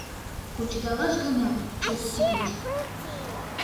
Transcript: Кучедалаш гына чот тӱкныш.